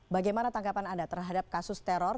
bagaimana tanggapan anda terhadap kasus teror